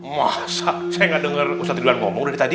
masa saya gak denger ustadz ridwan ngomong dari tadi